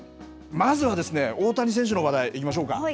まずは大谷選手の話題いきましょうか。